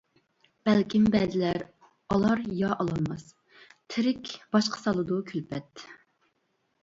بەلكىم بەزىلەر ئالار يا ئالالماس، تىرىك باشقا سالىدۇ كۈلپەت.